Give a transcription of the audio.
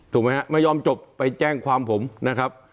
ถูกไหมฮะไม่ยอมจบไปแจ้งความผมนะครับ